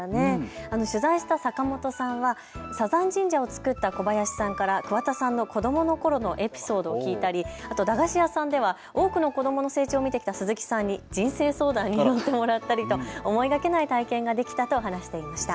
取材した坂本さんはサザン神社をつくった小林さんから桑田さんの子どものころのエピソードを聞いたり駄菓子屋さんでは多くの子どもの成長を見てきた鈴木さんに人生相談に乗ってもらったりと思いがけない体験ができたと話していました。